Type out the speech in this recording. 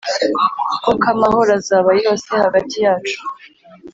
koko amahoro azaba yose hagati yacu.